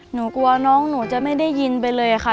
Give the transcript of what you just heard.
หนูกลัวน้องหนูจะไม่ได้ยินไปเลยค่ะ